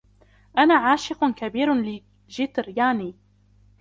أنا عاشق كبير لجيتر ياني.